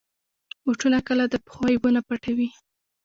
بوټونه کله د پښو عیبونه پټوي.